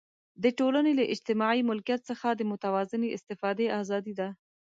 د ټولنې له اجتماعي ملکیت څخه د متوازنې استفادې آزادي ده.